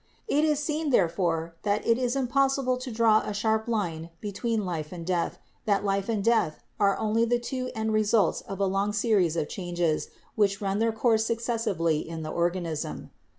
It is seen, therefore, that it is impossible to draw a sharp line between life and death, that life and death are only the two end results of a long series of changes which run their course successively in the organism.